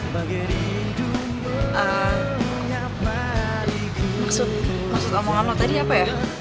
maksud omongan lo tadi apa ya